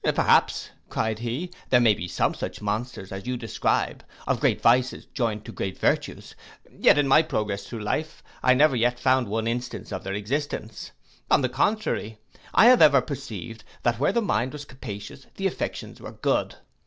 'Perhaps,' cried he, 'there may be some such monsters as you describe, of great vices joined to great virtues; yet in my progress through life, I never yet found one instance of their existence: on the contrary, I have ever perceived, that where the mind was capacious, the affections were good.